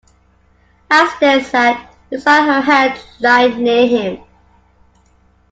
As they sat, he saw her hand lying near him.